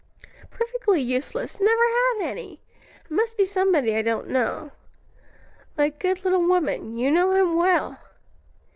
"Perfectly useless, never had any. It must be somebody I don't know." "My good little woman, you know him well."